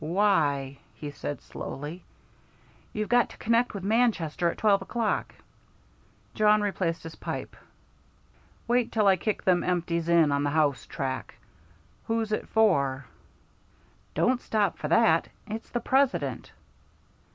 "Why?" he said slowly. "You've got to connect with Manchester at twelve o'clock." Jawn replaced his pipe. "Wait till I kick them empties in on the house track. Who's it for?" "Don't stop for that! It's the President!"